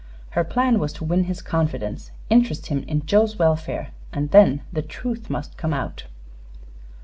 Her plan was to win his confidence. Interest him in Joe's welfare, and then the truth must come out.